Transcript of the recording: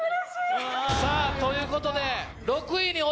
さぁということで。